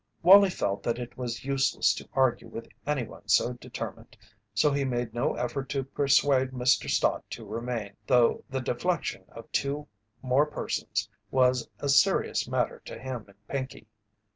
Wallie felt that it was useless to argue with any one so determined, so he made no effort to persuade Mr. Stott to remain, though the deflection of two more persons was a serious matter to him and Pinkey.